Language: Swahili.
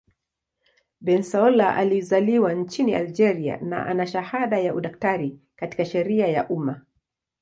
Bensaoula alizaliwa nchini Algeria na ana shahada ya udaktari katika sheria ya umma.